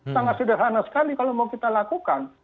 sangat sederhana sekali kalau mau kita lakukan